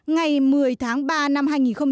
ngày một mươi tháng ba năm hai nghìn một mươi bốn